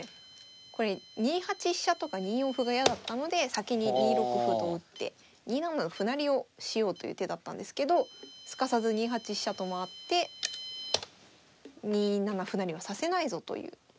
これ２八飛車とか２四歩が嫌だったので先に２六歩と打って２七の歩成りをしようという手だったんですけどすかさず２八飛車と回って２七歩成をさせないぞという感じです。